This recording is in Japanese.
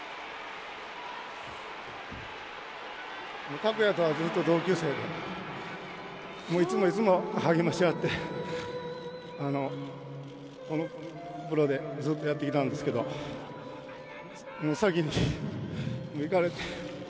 拓也とはずっと同級生で、もういつもいつも励まし合って、プロでずっとやってきたんですけど、もう、先に逝かれて。